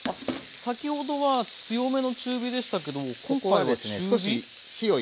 先ほどは強めの中火でしたけど今回は中火？